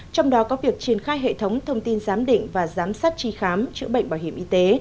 trong đó có việc triển khai hệ thống thông tin giám định và giám sát tri khám chữa bệnh bảo hiểm y tế